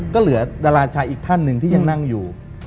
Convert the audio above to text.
ก็เหลือดาราชายอีกท่านหนึ่งที่ยังนั่งอยู่